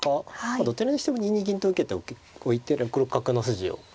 どちらにしても２二銀と受けておいて６六角の筋を。